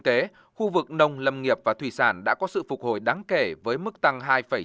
kinh tế khu vực nông lâm nghiệp và thủy sản đã có sự phục hồi đáng kể với mức tăng hai chín